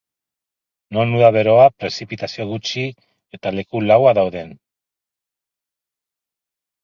Non uda beroa, prezipitazio gutxi, eta leku laua dauden.